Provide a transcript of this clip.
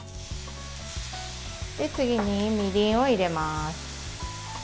次に、みりんを入れます。